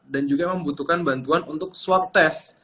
dan juga emang butuhkan bantuan untuk swab tes